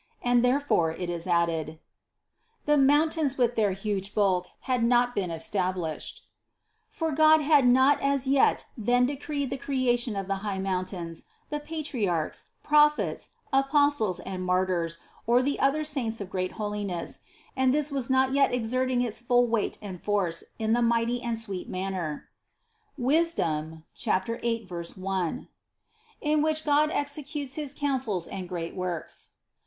And therefore it is added : 60. "The mountains with their huge bulk had not been established," for God had not as yet then decreed the creation of the high mountains, the Patriarchs, Prophets, Apostles and Martyrs or the other saints of great holiness, and this was not yet exerting its full weight and force in the mighty and sweet manner (Sap. 8, 1) in which God executes his counsels and great works.